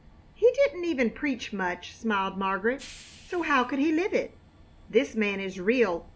"He didn't even preach much," smiled Margaret, "so how could he live it? This man is real.